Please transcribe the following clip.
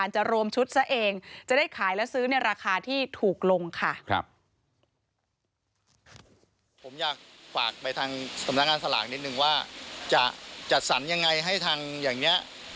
จะจัดสรรยังไงให้ทางอย่างเนี้ย